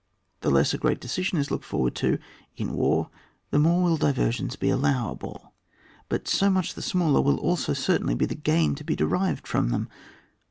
The less a great decision is looked for ward to in war the more will diversions be cdlowable, but so much the smaller will also certainly be the gain to be de rived from them.